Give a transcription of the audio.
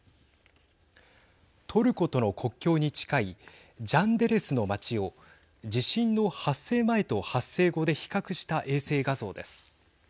トルコとの国境に近いジャンデレスの町を地震の発生前と発生後で比較した衛星画像です。